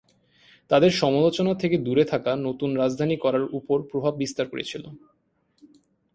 তাদের সমালোচনা থেকে দূরে থাকা নতুন রাজধানী করার উপর প্রভাব বিস্তার করেছিল।